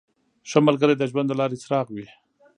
• ښه ملګری د ژوند د لارې څراغ وي.